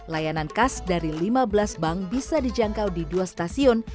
layanan khas dari lima belas bank bisa dijangkau di dua stasiun